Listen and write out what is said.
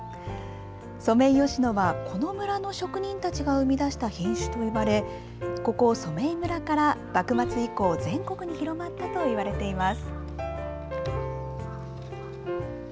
ソメイヨシノはこの村の職人たちが生み出した品種といわれ、ここ、染井村から幕末以降、全国に広まったといわれています。